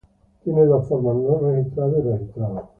Tiene dos formas: no registrados y registrados.